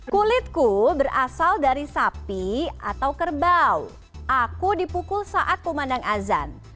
kulitku berasal dari sapi atau kerbau aku dipukul saat pemandang azan